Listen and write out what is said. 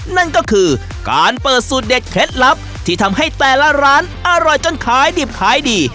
นั่นก็คือการเปิดสูตรเด็ดเคล็ดลับที่ทำให้แต่ละร้านอร่อยจนขายดิบขายดี